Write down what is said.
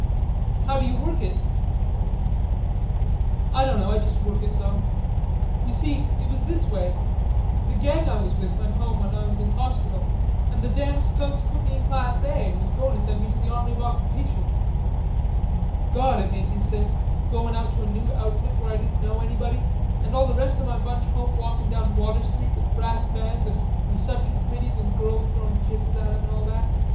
"How d'you work it?" "I dunno. I juss work it though.... Ye see, it was this way. The gang I was with went home when I was in hauspital, and the damn skunks put me in class A and was goin' to send me to the Army of Occupation. Gawd, it made me sick, goin' out to a new outfit where I didn't know anybody, an' all the rest of my bunch home walkin' down Water Street with brass bands an' reception committees an' girls throwing kisses at 'em an' all that.